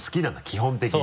基本的に。